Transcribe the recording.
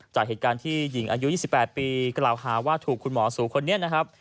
จากเหตุการณ์ที่หญิงอายุ๒๘ปีกล่าวหาว่าถูกคุณหมอสูคนนี้นะครับ